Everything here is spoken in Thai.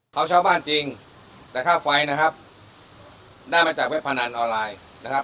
เขาเช่าบ้านจริงแต่ค่าไฟนะครับได้มาจากเว็บพนันออนไลน์นะครับ